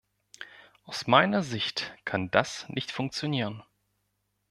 Aus meiner Sicht kann das nicht funktionieren.